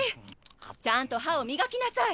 ちゃんと歯をみがきなさい！